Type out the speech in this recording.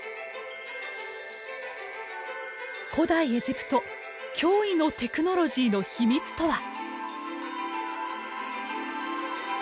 古代エジプト驚異のテクノロジーの秘密とは？